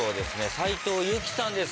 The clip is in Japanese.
斉藤由貴さんです